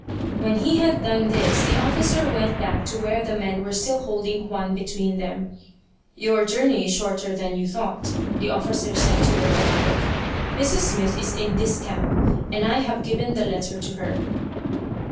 When he had done this the officer went back to where the men were still holding Juan between them. "Your journey is shorter than you thought," the officer said to the Tagalog. "Mrs. Smith is in this camp, and I have given the letter to her."